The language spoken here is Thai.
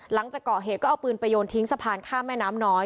หลังจากก่อเหตุก็เอาปืนไปโยนทิ้งสะพานข้ามแม่น้ำน้อย